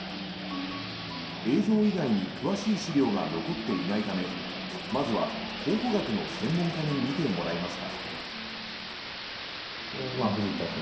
映像以外に詳しい資料が残っていないためまずは考古学の専門家に見てもらいました。